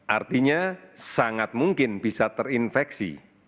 artinya sangat mungkin bisa terinfeksi